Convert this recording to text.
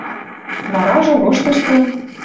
Варажы лоштышты